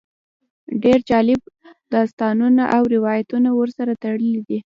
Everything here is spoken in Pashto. ډېر جالب داستانونه او روایتونه ورسره تړلي دي.